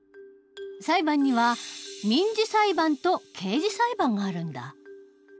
裁判には民事裁判と刑事裁判があるんだ。